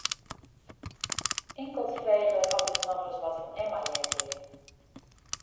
Inkeld frege er oft ik noch ris wat fan Emma heard hie.